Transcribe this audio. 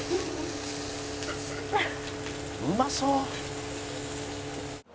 「うまそう！」